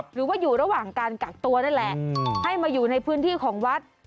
หรือว่าอยู่ระหว่างการกักตัวนั่นแหละให้มาอยู่ในพื้นที่ของวัด